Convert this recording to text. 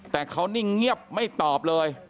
แต่เขานิ่งเงียบไม่ตอบเลย